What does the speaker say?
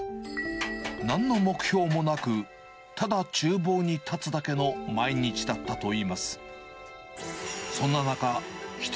なんの目標もなく、ただちゅう房に立つだけの毎日だったといいます。